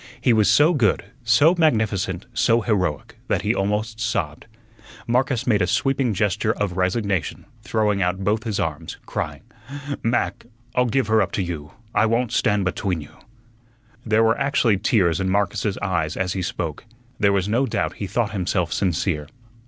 He was so good, so magnificent, so heroic, that he almost sobbed. Marcus made a sweeping gesture of resignation, throwing out both his arms, crying: "Mac, I'll give her up to you. I won't stand between you." There were actually tears in Marcus's eyes as he spoke. There was no doubt he thought himself sincere.